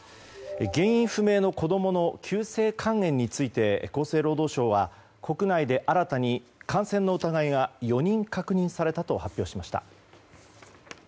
原因不明の子供の急性肝炎について厚生労働省は国内で新たに感染の疑いが４人確認されたと発表しました。